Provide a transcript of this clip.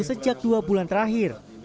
sejak dua bulan terakhir